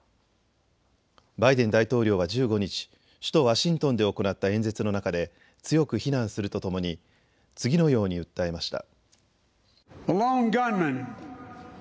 バイデン大統領は１５日、首都ワシントンで行った演説の中で強く非難するとともに次のように訴えました。